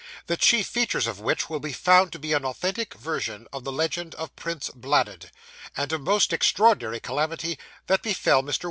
THE CHIEF FEATURES OF WHICH WILL BE FOUND TO BE AN AUTHENTIC VERSION OF THE LEGEND OF PRINCE BLADUD, AND A MOST EXTRAORDINARY CALAMITY THAT BEFELL MR.